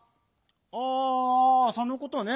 あそのことね！